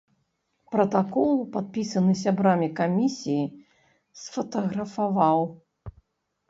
Пратакол, падпісаны сябрамі камісіі, сфатаграфаваў.